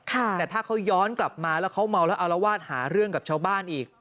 แต่ถ้าเขาย้อนกลับมาแล้วเขาเมาแล้วอารวาสหาเรื่องกับชาวบ้านอีก